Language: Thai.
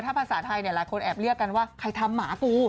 ภาษาไทยหลายคนแอบเรียกกันว่าใครทำหมากู